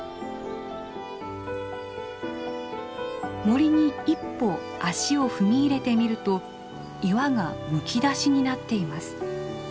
森に一歩足を踏み入れてみると岩がむき出しになっています。